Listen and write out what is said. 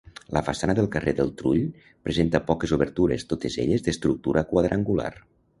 La façana del carrer del Trull presenta poques obertures, totes elles d'estructura quadrangular.